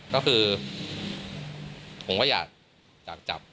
ก็คือผมก็อยากจับ